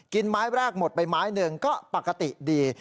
ไม้แรกหมดไปไม้หนึ่งก็ปกติดี